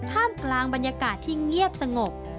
กลางบรรยากาศที่เงียบสงบ